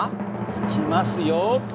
いきますよ。